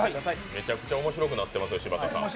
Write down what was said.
めちゃくちゃ面白くなっていますよ、柴田さん。